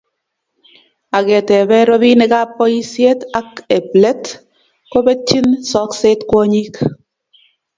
Ak keete robinikap boisiet ak ebb let kobetyin sokset kwonyik